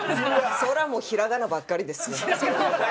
それはもう平仮名ばっかりですよ。